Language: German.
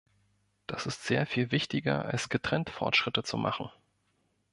Das ist sehr viel wichtiger als getrennt Fortschritte zu machen.